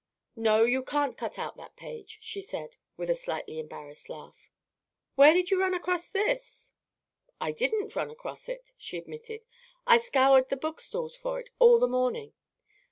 "No, you can't cut out that page," she said, with a slightly embarrassed laugh. "Where did you run across this?" "I didn't run across it" she admitted; "I scoured the book stalls for it all the morning.